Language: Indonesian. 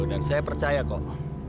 dan saya percaya kok